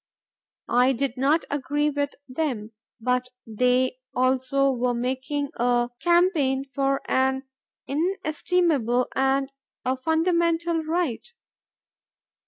I did not agree with them; but they also were making a campaign for an inestimable and a fundamental right.